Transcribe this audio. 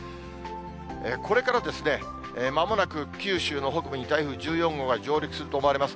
これからですね、まもなく九州の北部に台風１４号が上陸すると思われます。